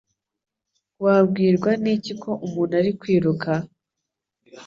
Wabwirwa n'iki ko umuntu ari kwiruka?